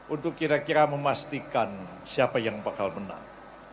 untuk kira kira memastikan siapa yang bakal menang